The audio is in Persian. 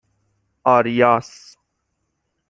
آریاس